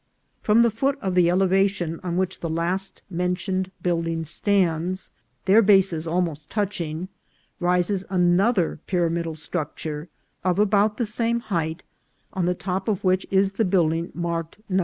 From the foot of the elevation on which the last mentioned building stands, their bases almost touching, rises another pyramidal structure of about the same height, on the top of which is the building marked No.